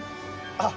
あっ！